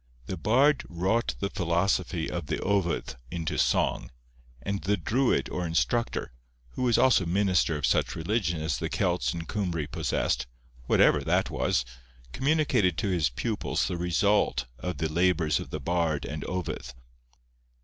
The bard wrought the philosophy of the ovydd into song, and the druid or instructor, who was also minister of such religion as the Celts and Cymry possessed, whatever that was, communicated to his pupils the result of the labours of the bard and ovydd.